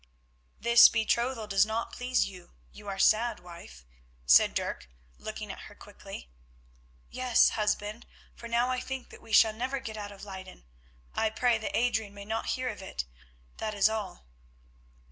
"This betrothal does not please you; you are sad, wife," said Dirk, looking at her quickly. "Yes, husband, for now I think that we shall never get out of Leyden. I pray that Adrian may not hear of it, that is all."